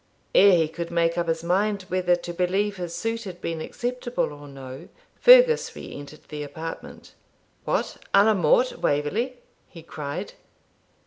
Ere he could make up his mind whether to believe his suit had been acceptable or no, Fergus re entered the apartment. 'What, a la mort, Waverley?' he cried.